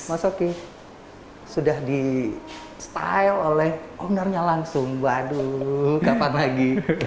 mas oki sudah di style oleh ownernya langsung waduh kapan lagi